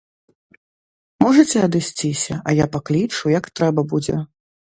Можаце адысціся, а я паклічу, як трэба будзе.